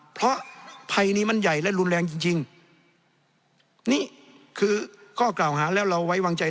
เพราะภัยนี้มันใหญ่และรุนแรงจริงจริงนี่คือข้อกล่าวหาแล้วเราไว้วางใจ